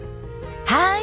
はい。